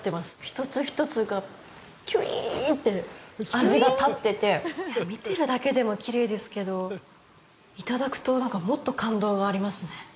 一つ一つがキュイーンって味が立ってて見てるだけでもきれいですけどいただくと何かもっと感動がありますね